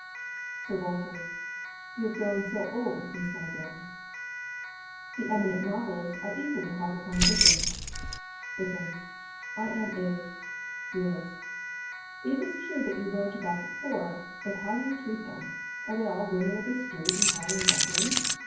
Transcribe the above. Sir Walter, —" You have grown so old since my day." Digitized by VjOOQ IC 5* A* JSat tie* xxtz The " eminent novelists" are equally hard upon Dick* ens. Dickens.—'' I am a " Realist — "It is true that you wrote about the poor, but how do you treat them? Are they all women of the street and howling ruffians?